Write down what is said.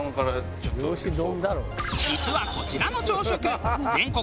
実はこちらの朝食全国